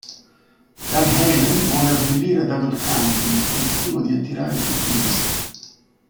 Dan Halen vuole abbellire Dougal County nel tentativo di attirare più turisti.